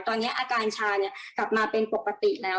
ตอนนี้อาการชากลับมาเป็นปกติแล้ว